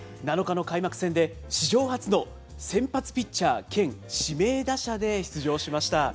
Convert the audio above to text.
７日の開幕戦で、史上初の先発ピッチャー兼指名打者で出場しました。